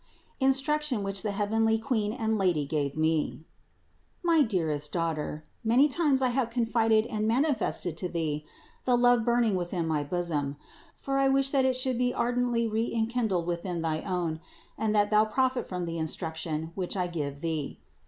INSTRUCTION WHICH THE HEAVENLY QUEEN AND LADY GAVE ME. 197. My dearest daughter, many times I have confided and manifested to thee the love burning within my bosom : for I wish that it should be ardently re enkindled within thy own, and that thou profit from the instruction, which I give thee.